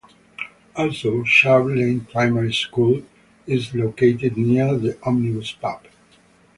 Also, Sharp Lane Primary School is located near the Omnibus Pub.